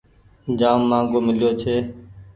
جآم مآنگهو ميليو ڇي۔